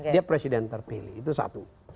dia presiden terpilih itu satu